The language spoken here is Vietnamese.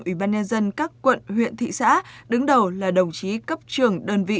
ủy ban nhân dân các quận huyện thị xã đứng đầu là đồng chí cấp trưởng đơn vị